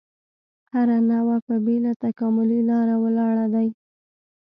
هره نوعه په بېله تکاملي لاره ولاړ دی.